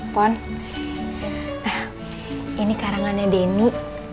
pohon ini karangannya denny